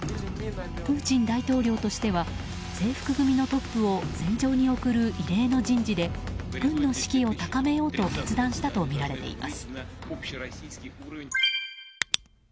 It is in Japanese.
プーチン大統領としては制服組のトップを戦場に送る異例の人事で軍の士気を高めようと決断したとみられています。